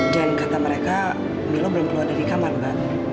kata mereka milo belum keluar dari kamar mbak